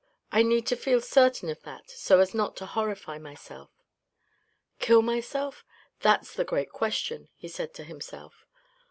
I need to feel certain of that so as not to horrify myself." " Kill myself? That's the great question," he said to himself.